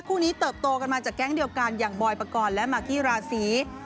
คู่นี้เติบโตกันมาจากแก๊งเดียวกันอย่างบอยปกรณ์และมากกี้ราศี